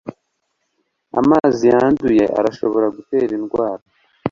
amazi yanduye arashobora gutera indwara